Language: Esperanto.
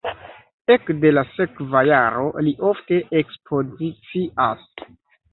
Ekde la sekva jaro li ofte ekspozicias.